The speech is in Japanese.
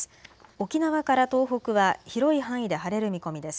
沖縄から東北は広い範囲で晴れる見込みです。